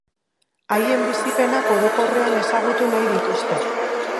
Haien bizipenak orokorrean ezagutu nahi dituzte.